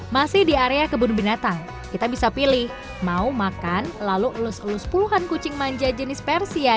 masih di area kebun binatang kita bisa pilih mau makan lalu elus elus puluhan kucing manja jenis persia